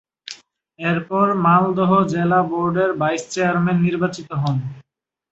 এর পরে মালদহ জেলা বোর্ড এর ভাইস চেয়ারম্যান নির্বাচিত হন।